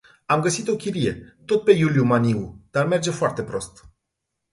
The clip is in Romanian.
Am găsit o chirie, tot pe Iuliu Maniu, dar merge foarte prost.